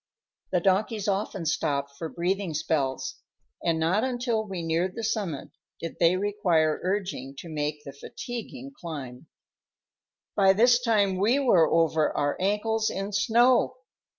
The donkeys often stopped for breathing spells, and not until we neared the summit did they require urging to make the fatiguing climb. By this time we were over our ankles in snow.